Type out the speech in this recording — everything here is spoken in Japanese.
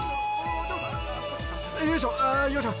よいしょよいしょ。